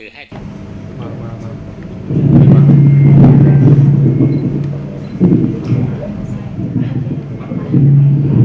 ให้ดี